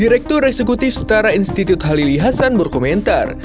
direktur eksekutif setara institut halili hasan berkomentar